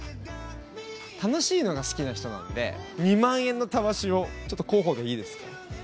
楽しいのが好きな人なので２万円のたわしをちょっと候補でいいですか。